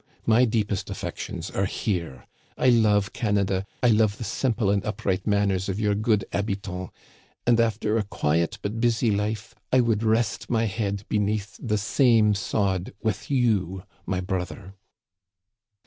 My deepest affections are here. I love Canada, I love the simple and upright manners of your good habitants ; and after a quiet but busy life, I would rest my head beneath the same sod with you, my brother."